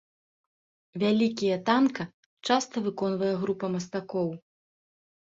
Вялікія танка часта выконвае група мастакоў.